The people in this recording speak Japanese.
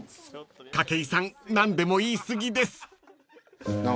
［筧さん何でも言い過ぎです］